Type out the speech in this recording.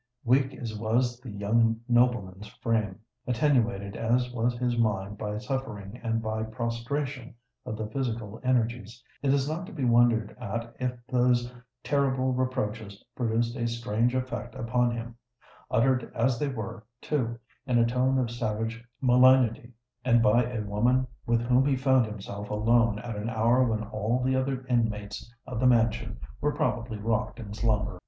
Weak as was the young nobleman's frame,—attenuated as was his mind by suffering and by prostration of the physical energies, it is not to be wondered at if those terrible reproaches produced a strange effect upon him,—uttered as they were, too, in a tone of savage malignity, and by a woman with whom he found himself alone at an hour when all the other inmates of the mansion were probably rocked in slumber.